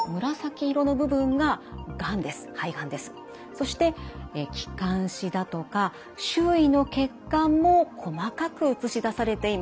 そして気管支だとか周囲の血管も細かく写し出されています。